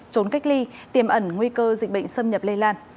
trốn cách ly tiềm ẩn nguy cơ dịch bệnh xâm nhập lây lan